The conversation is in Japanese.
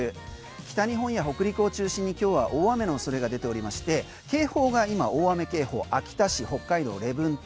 北日本や北陸を中心に今日は大雨の恐れが出ておりまして警報が今、大雨警報秋田市、北海道・礼文島。